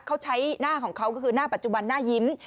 เขาใช้หน้าของเขาก็คือหน้าปัจจุบันหน้ายิ้ม